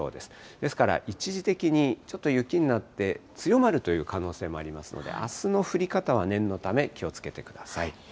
ですから、一時的にちょっと雪になって、強まるという可能性もありますので、あすの降り方は念のため、気をつけてください。